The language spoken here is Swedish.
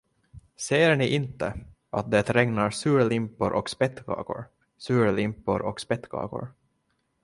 Ser ni inte, att det regnar surlimpor och spettkakor, surlimpor och spettkakor?